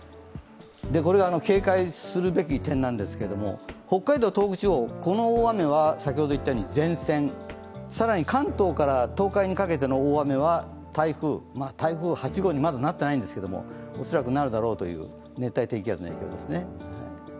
これが警戒するべき点なんですけれども、北海道、東北地方、この雨は先ほど言ったように前線、更に関東から東海にかけての大雨は台風、台風８号にまだなっていないんですけども、恐らくなるだろうという熱帯低気圧の予想です。